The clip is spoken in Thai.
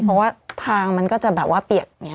เพราะว่าทางมันก็จะแบบว่าเปียก